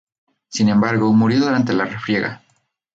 Sin embargo, murió durante la refriega.